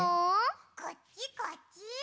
・こっちこっち！